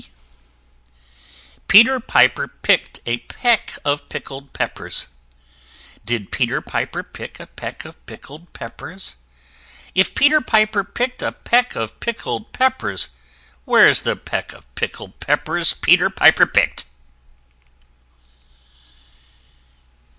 P p [Illustration: Peter Piper] Peter Piper picked a peck of pickled Peppers: Did Peter Piper pick a peck of pickled Peppers? If Peter Piper picked a peck of pickled Peppers, Where's the peck of pickled Peppers Peter Piper picked?